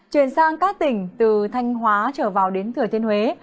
chuyển sang các tỉnh từ thanh hóa trở vào đến thừa thiên huế